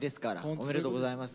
おめでとうございます。